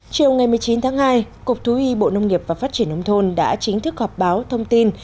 chiều ngày một mươi chín tháng hai cục thú y bộ nông nghiệp và phát triển nông thôn đã chính thức họp báo thông tin